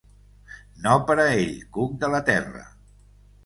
No per a ell, cuc de la terra